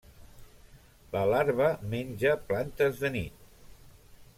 La larva menja plantes de nit.